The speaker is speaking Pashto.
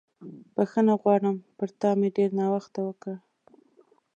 بښنه غواړم، پر تا مې ډېر ناوخته وکړ.